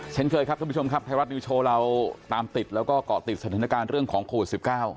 เช่นเคยครับท่านผู้ชมครับไทยรัฐนิวโชว์เราตามติดแล้วก็เกาะติดสถานการณ์เรื่องของโควิด๑๙